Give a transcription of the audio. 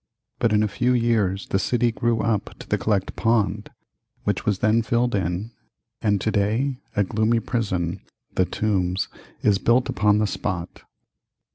But in a few years the city grew up to the Collect Pond, which was then filled in, and to day a gloomy prison (The Tombs) is built upon the spot.